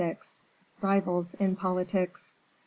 Rivals in Politics.